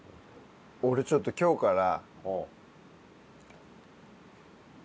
俺ちょっと今日から。